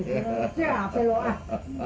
kira apai lu ah